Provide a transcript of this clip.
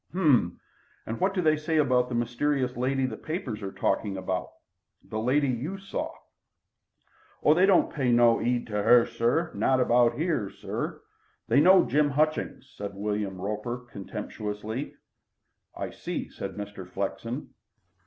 "H'm! And what do they say about the mysterious lady the papers are talking about the lady you saw?" "Oh, they don't pay no 'eed to 'er not about 'ere, sir. They know Jim Hutchings," said William Roper contemptuously. "I see," said Mr. Flexen.